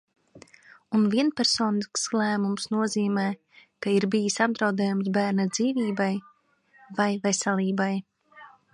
Un vienpersonisks lēmums nozīmē, ka ir bijis apdraudējums bērna dzīvībai vai veselībai.